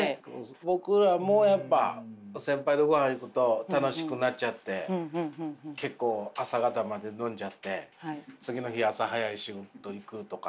僕らもやっぱ先輩とごはん行くと楽しくなっちゃって結構朝方まで飲んじゃって次の日朝早い仕事行くとか。